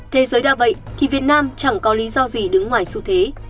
thế giới đa vậy thì việt nam chẳng có lý do gì đứng ngoài xu thế